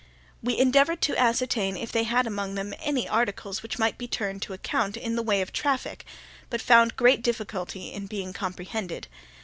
We endeavoured to ascertain if they had among them any articles which might be turned to account in the way of traffic, but found great difficulty in being comprehended.